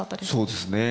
そうですね。